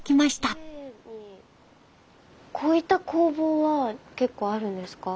こういった工房は結構あるんですか？